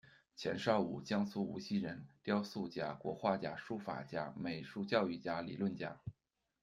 钱绍武，江苏无锡人，雕塑家，国画家，书法家，美术教育家，理论家。